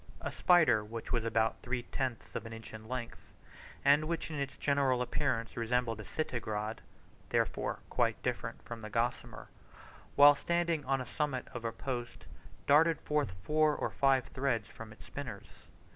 A spider which was about three tenths of an inch in length, and which in its general appearance resembled a Citigrade (therefore quite different from the gossamer), while standing on the summit of a post, darted forth four or five threads from its spinners.